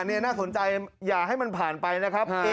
นี่น่าสนใจอย่าให้มันผ่านไปนะครับ